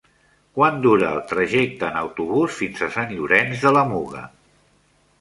Quant dura el trajecte en autobús fins a Sant Llorenç de la Muga?